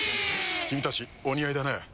君たちお似合いだね。